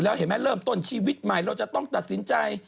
แล้วเห็นไหมเริ่มต้นชีวิตใหม่เราจะต้องตัดสินใจ